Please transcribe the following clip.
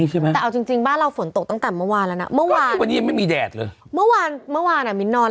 เหมือนระเบิดลงบึ้มแล้วติดกันเอามา๔๕รอบ